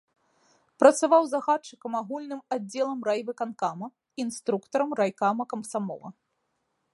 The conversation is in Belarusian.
Працаваў загадчыкам агульным аддзелам райвыканкама, інструктарам райкама камсамола.